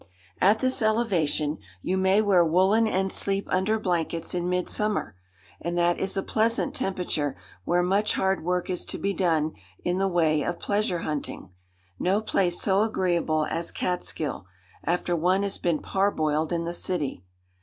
At this elevation, you may wear woollen and sleep under blankets in midsummer; and that is a pleasant temperature where much hard work is to be done in the way of pleasure hunting. No place so agreeable as Catskill, after one has been parboiled in the city.